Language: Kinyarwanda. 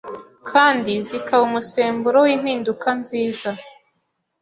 kandi zikaba umusemburo w’impinduka nziza;